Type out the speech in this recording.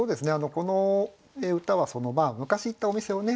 この歌は昔行ったお店をね